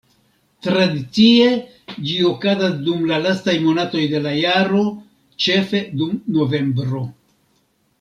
Tradicie ĝi okazas dum la lastaj monatoj de la jaro, ĉefe dum novembro.